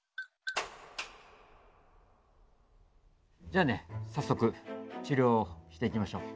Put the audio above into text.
じゃあね早速治療をしていきましょう。